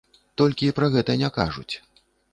Толькі пра гэта не кажуць.